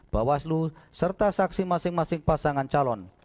bawaslu serta saksi masing masing pasangan calon